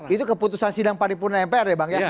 itu keputusan sidang paripurna mpr ya bang ya